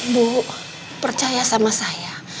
bu percaya sama saya